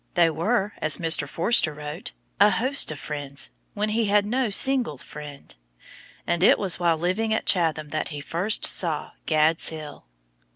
"They were," as Mr. Forster wrote, "a host of friends when he had no single friend." And it was while living at Chatham that he first saw "Gad's Hill."